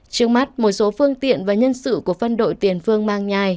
trước mắt một số phương tiện và nhân sự của phân đội tiền phương mang nhai